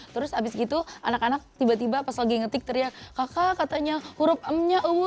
terus abis gitu anak anak tiba tiba pas lagi ngetik teriak kakak katanya huruf m nya ungu